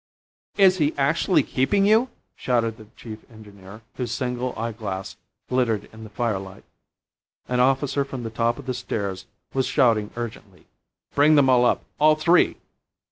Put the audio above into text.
"Is he actually keeping you?" shouted the chief engineer, whose single eyeglass glittered in the firelight. An officer from the top of the stairs was shouting urgently, "Bring them all up all three."